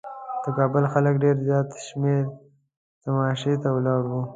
د کابل خلک ډېر زیات شمېر تماشې ته ولاړ وو.